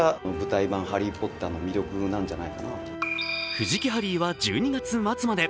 藤木ハリーは１２月末まで。